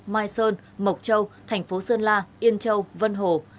mai sơn mộc châu thành phố sơn la yên châu vân hồ